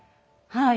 はい。